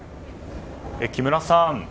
木村さん